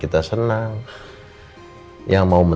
untuk semua orang yang telah menonton